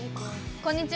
こんにちは。